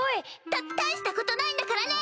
た大したことないんだからね！